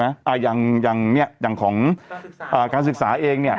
อย่างอย่างเนี้ยอย่างของอ่าการศึกษาเองเนี่ย